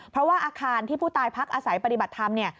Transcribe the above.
เพราะว่าอาคารที่ผู้ตายพักอาศัยปฏิบัติธรรมเนี่ย